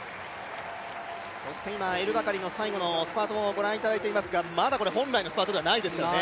そして、エル・バカリの最後のスパートをご覧いただいていますがまだこれ、本来のスパートではないですからね。